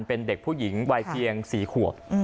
เป็นเด็กผู้หญิงวัยเพียง๔ขวบ